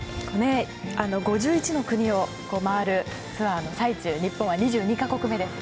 ５１の国を回るツアーの最中で日本は２２か国目です。